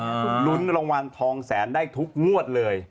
ถูกลุ้นรางวัลทองแสนได้ทุกงวดเลย